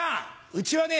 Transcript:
うちはね